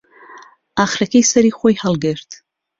ئاخرەکەی سەری خۆی هەڵگرت